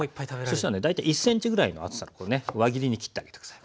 そしたらね大体１ｃｍぐらいの厚さこれね輪切りに切ってあげて下さい。